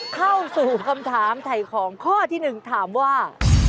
เข้าสู่คำถามไถ่ของข้อที่๑ถามว่า